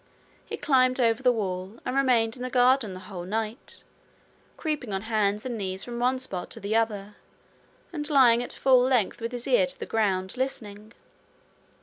He climbed over the wall, and remained in the garden the whole night, creeping on hands and knees from one spot to the other, and lying at full length with his ear to the ground, listening.